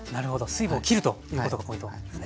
水分を切るということがポイントですね。